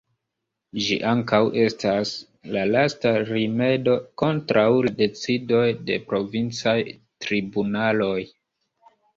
Ĝi ankaŭ estas la lasta rimedo kontraŭ la decidoj de provincaj tribunaloj.